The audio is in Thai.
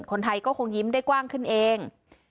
คนไทยก็คงยิ้มได้กว้างขึ้นเอง